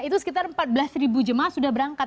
itu sekitar empat belas jemaah sudah berangkat